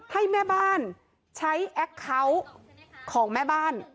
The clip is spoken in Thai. ให้แม่บ้านใช้แอคเคาน์ของแม่บ้าน